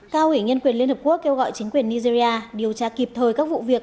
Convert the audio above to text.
cao ủy nhân quyền liên hợp quốc kêu gọi chính quyền nigeria điều tra kịp thời các vụ việc